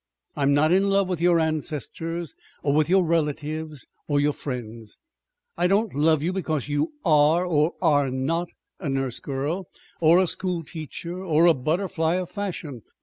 I'm not in love with your ancestors, or with your relatives, or your friends. I don't love you because you are, or are not, a nurse girl, or a school teacher, or a butterfly of fashion.